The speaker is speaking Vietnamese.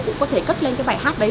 cũng có thể cất lên cái bài hát đấy